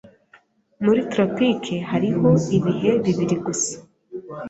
Muri tropike hariho ibihe bibiri gusa.